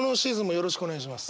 よろしくお願いします。